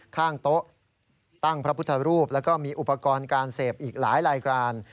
ข้างโต๊ะตั้งพระพุทธรูปแล้วก็มีอุปกรณ์การเสพอีกหลายรายการ